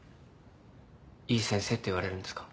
いい先生って言われるんですか？